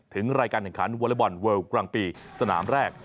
ถึงรายการแข่งขันวอเล็กบอลเวิลกลางปีสนามแรก